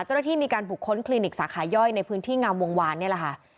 เจ้าหน้าที่มีการบุคคลคลินิกสาขาย่อยในพื้นที่งามวงวานนี่แหละค่ะ